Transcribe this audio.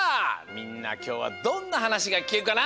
みんなきょうはどんなはなしがきけるかな？